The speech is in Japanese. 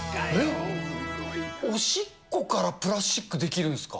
おしっこからプラスチック出来るんですか。